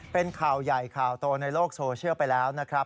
เป็นข่าวใหญ่ข่าวโตในโลกโซเชียลไปแล้วนะครับ